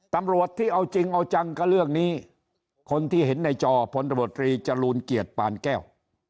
ตำรวจที่เอาจริงเอาจังกับเรื่องนี้คนที่เห็นในจอพลตำรวจตรีจรูลเกียรติปานแก้ว